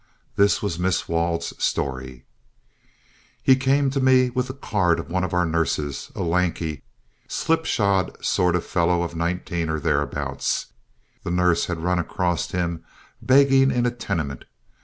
This was Miss Wald's story: He came to me with the card of one of our nurses, a lanky, slipshod sort of fellow of nineteen or thereabouts. The nurse had run across him begging in a tenement.